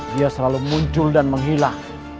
dia selalu muncul dan menghilang